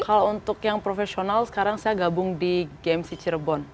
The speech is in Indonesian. kalau untuk yang profesional sekarang saya gabung di gmc cirebon